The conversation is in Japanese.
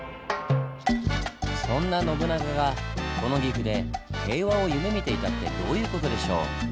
そんな信長がこの岐阜で平和を夢見ていたってどういう事でしょう？